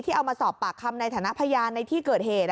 เอามาสอบปากคำในฐานะพยานในที่เกิดเหตุ